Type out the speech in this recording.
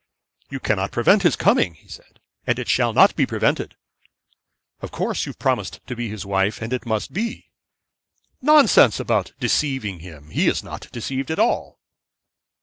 'You cannot prevent his coming,' he said, 'and it shall not be prevented.' 'Of course, you have promised to be his wife, and it must be.' 'Nonsense about deceiving him. He is not deceived at all.'